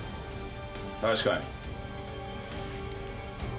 確かに。